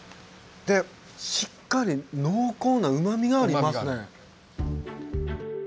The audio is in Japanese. でしっかり濃厚なうまみがありますね。